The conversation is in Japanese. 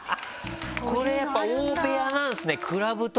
これやっぱ大部屋なんですね。